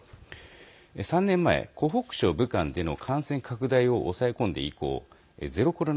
３年前、湖北省武漢での感染拡大を抑え込んで以降ゼロコロナ